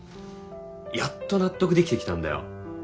やっと納得できてきたんだよ